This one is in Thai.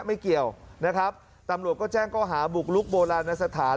ไม่เกี่ยวนะครับตำรวจก็แจ้งข้อหาบุกลุกโบราณสถาน